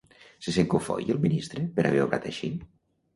Se sent cofoi el ministre per haver obrat així?